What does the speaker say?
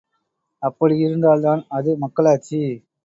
அப்படி யிருந்தால்தான் அது மக்களாட்சி!